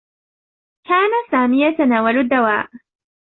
كان سامي يتناول الدّواء.